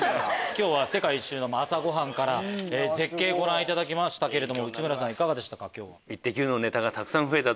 今日は世界一周朝ごはんから絶景ご覧いただきましたけど内村さんいかがでしたか？